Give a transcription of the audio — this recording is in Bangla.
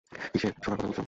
কীসের, সোনার কথা বলছো?